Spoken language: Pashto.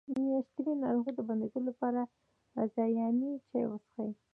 د میاشتنۍ ناروغۍ د بندیدو لپاره د رازیانې چای وڅښئ